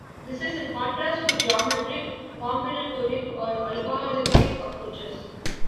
This is in contrast to geometric, combinatoric, or algorithmic approaches.